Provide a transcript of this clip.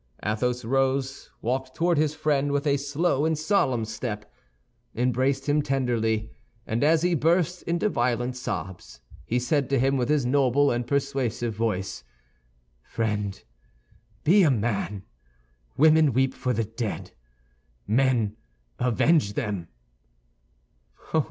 Athos rose, walked toward his friend with a slow and solemn step, embraced him tenderly, and as he burst into violent sobs, he said to him with his noble and persuasive voice, "Friend, be a man! Women weep for the dead; men avenge them!"